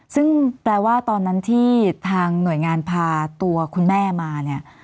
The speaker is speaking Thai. ซึ่งแปลว่าตอนนั้นที่ทางหน่วยงานพาตัวคุณแม่มาเนี่ย